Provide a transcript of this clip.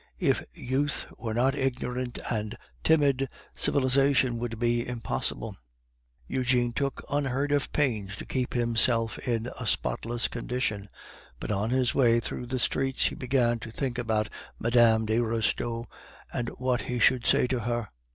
If youth were not ignorant and timid, civilization would be impossible. Eugene took unheard of pains to keep himself in a spotless condition, but on his way through the streets he began to think about Mme. de Restaud and what he should say to her.